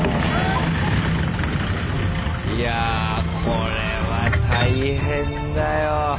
いやこれは大変だよ。